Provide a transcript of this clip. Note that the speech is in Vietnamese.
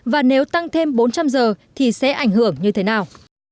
và nếu tăng thêm bốn trăm linh giờ thì sẽ ảnh hưởng như thế nào